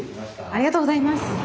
ありがとうございます。